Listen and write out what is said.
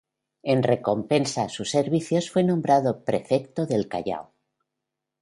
En recompensa a sus servicios fue nombrado prefecto del Callao.